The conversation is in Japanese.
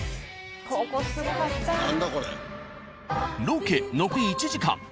ロケ残り１時間。